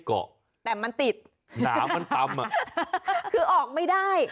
คือออกไม่ได้